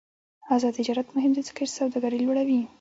آزاد تجارت مهم دی ځکه چې سوداګري لوړوي.